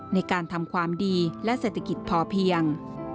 ในการทำความดีและเศรษฐกิจพอเพียง